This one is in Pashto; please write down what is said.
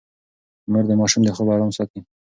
مور د ماشوم د خوب ارام ساتي.